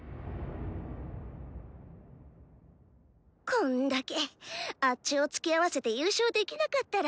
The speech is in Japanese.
こんだけあッチをつきあわせて優勝できなかったら。